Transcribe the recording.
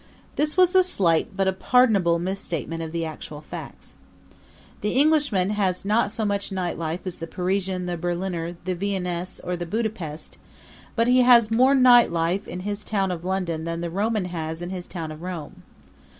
This was a slight but a pardonable misstatement of the actual facts. The Englishman has not so much night life as the Parisian, the Berliner, the Viennese or the Budapest; but he has more night life in his town of London than the Roman has in his town of Rome.